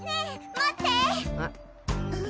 待って！